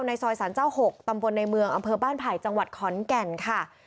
ซอยสารเจ้า๖ตำบลในเมืองอำเภอบ้านไผ่จังหวัดขอนแก่นค่ะ